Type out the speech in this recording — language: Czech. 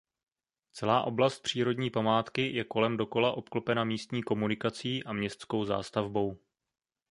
Celá oblast přírodní památky je kolem dokola obklopena místní komunikací a městskou zástavbou.